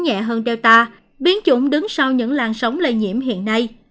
nhẹ hơn delta biến chủng đứng sau những làn sóng lây nhiễm hiện nay